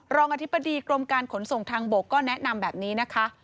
อธิบดีกรมการขนส่งทางบกก็แนะนำแบบนี้นะคะ